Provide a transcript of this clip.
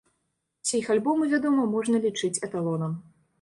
Усе іх альбомы, вядома, можна лічыць эталонам.